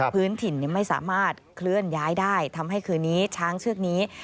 พื้นถิ่นไม่สามารถเคลื่อนย้ายได้ทำให้คืนนี้ช้างเชือกนี้